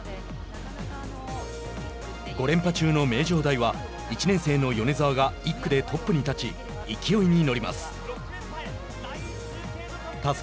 ５連覇中の名城大は１年生の米澤が１区でトップに立ち勢いに乗ります。